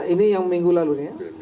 ini yang minggu lalu